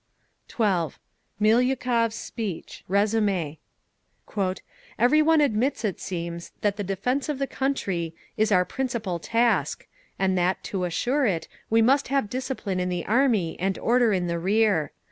12. MILIUKOV's SPEECH (Resumé) "Every one admits, it seems, that the defence of the country is our principal task, and that, to assure it, we must have discipline in the Army and order in the rear.